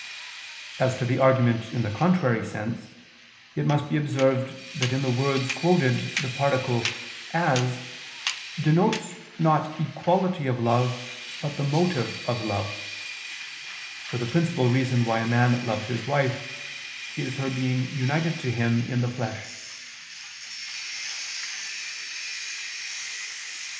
As to the argument in the contrary sense, it must be observed that in the words quoted, the particle "as" denotes not equality of love but the motive of love. For the principal reason why a man loves his wife is her being united to him in the flesh.